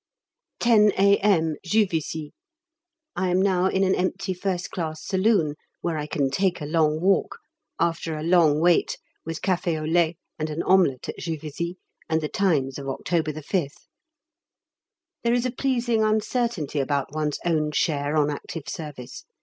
10 A.M., Juvisy. I am now in an empty 1st class saloon (where I can take a long walk) after a long wait, with café au lait and an omelette at Juvisy, and 'The Times' of October 5th. There is a pleasing uncertainty about one's own share on Active Service.